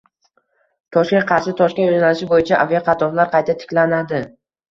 Toshkent—Qarshi—Toshkent yo‘nalishi bo‘yicha aviaqatnovlar qayta tiklanadi